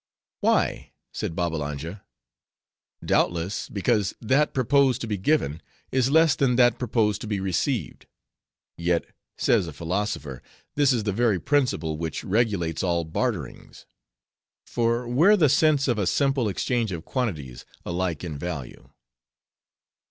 "Why?" said Babbalanja. "Doubtless, because that proposed to be given, is less than that proposed to be received. Yet, says a philosopher, this is the very principle which regulates all barterings. For where the sense of a simple exchange of quantities, alike in value?"